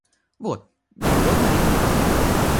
Вот, не угодно ли...